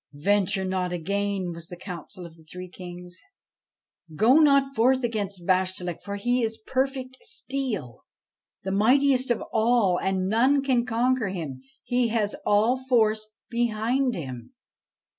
' Venture not again,' was the counsel of the three kings. ' Go 114 BASHTCHELIK not forth against Bashtchelik, for he is perfect steel, the mightiest of all ; and none can conquer him : he has all Force behind him.'